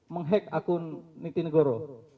menghack akun nitinigoro